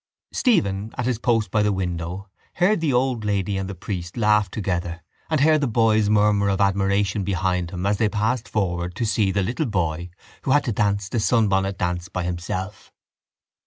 Stephen at his post by the window heard the old lady and the priest laugh together and heard the boys' murmurs of admiration behind him as they passed forward to see the little boy who had to dance the sunbonnet dance by himself.